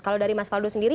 kalau dari mas waldo sendiri